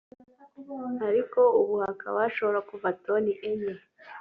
ariko ubu hakaba hashobora kuva toni enye